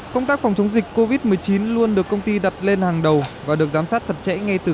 công tác phòng chống dịch covid một mươi chín luôn được công ty đặt lên hàng đầu và được giám sát chặt chẽ ngay từ